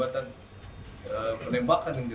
terlibat dan ai